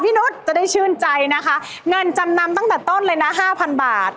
นุษย์จะได้ชื่นใจนะคะเงินจำนำตั้งแต่ต้นเลยนะห้าพันบาท